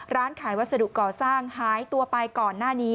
ร้านขายวัสดุก่อสร้างหายตัวไปก่อนหน้านี้